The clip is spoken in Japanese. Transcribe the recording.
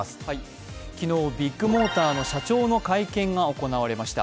昨日、ビッグモーターの社長の会見が行われました。